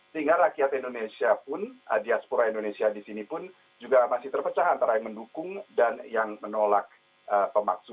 sehingga rakyat indonesia pun diaspora indonesia di sini pun juga masih terpecah antara yang mendukung dan yang menolak pemaksud